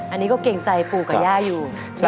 อันนี้ก็เกรงใจปูกับย่าอยู่